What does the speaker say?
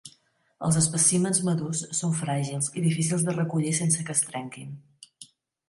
Els espècimens madurs són fràgils, i difícils de recollir sense que es trenquin.